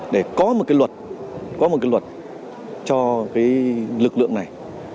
để có một cái luật cho cái lực lượng này